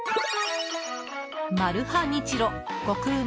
マルハニチロ極旨！